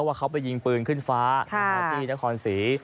ว่าเขาไปยิงปืนขึ้นฟ้าที่นครศรี